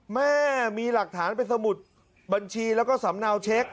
แม่มีหลักฐานเป็นสมุดบัญชีแล้วก็สำเนาเช็ค